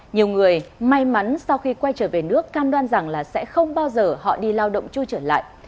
nhiều người may mắn sau khi quay trở về nước cam đoan rằng là sẽ không bao giờ họ đi lao động chui trở lại